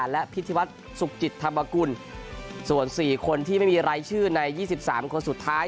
และพิธีวัฒน์สุขจิตธรรมกุลส่วน๔คนที่ไม่มีรายชื่อใน๒๓คนสุดท้าย